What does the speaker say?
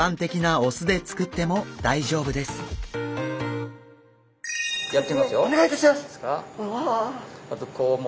お願いいたします。